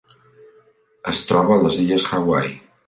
Es troba a les illes Hawaii.